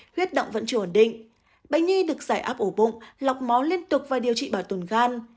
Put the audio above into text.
huyết động vẫn chưa ổn định bệnh nhi được giải áp ổ bụng lọc máu liên tục và điều trị bảo tồn gan